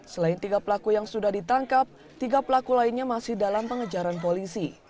selain tiga pelaku yang sudah ditangkap tiga pelaku lainnya masih dalam pengejaran polisi